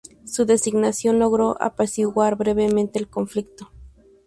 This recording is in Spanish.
Su designación logró apaciguar brevemente el conflicto.